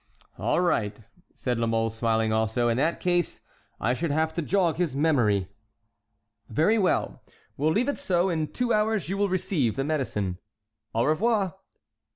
"All right," said La Mole, smiling also, "in that case I should have to jog his memory." "Very well, we'll leave it so. In two hours you will receive the medicine." "Au revoir!"